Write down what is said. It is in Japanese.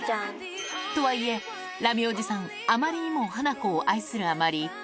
とはいえ、ラミおじさん、あまりにもハナコを愛するあまり。